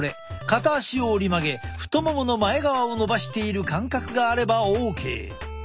片足を折り曲げ太ももの前側をのばしている感覚があればＯＫ！